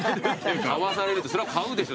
買わされるってそら買うでしょ絶対。